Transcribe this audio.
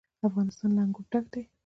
افغانستان له انګور ډک دی.